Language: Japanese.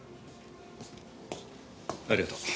ありがとう。